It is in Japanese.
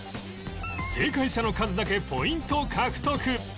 正解者の数だけポイント獲得